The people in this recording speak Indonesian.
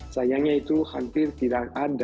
sayangnya itu hampir tidak ada